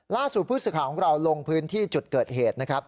ล่าสู่พฤษขาของเราลงพื้นที่จุดเกิดเหตุนะครับ